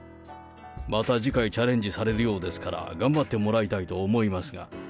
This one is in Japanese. また次回チャレンジされるようですから、頑張ってもらいたいと思いますが。